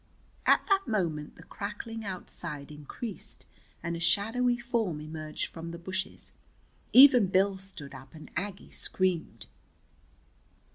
At that moment the crackling outside increased, and a shadowy form emerged from the bushes. Even Bill stood up, and Aggie screamed.